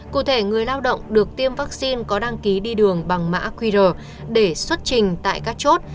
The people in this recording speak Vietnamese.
cụ thể người lao động được tiêm vaccine có đăng ký đi đường bằng mã qr để xuất trình tại các chốt